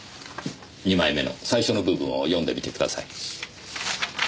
２枚目の最初の部分を読んでみてください。